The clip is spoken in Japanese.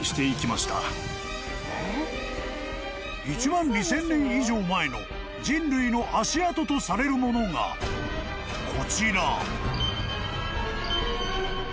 ［１万２，０００年以上前の人類の足跡とされるものがこちら］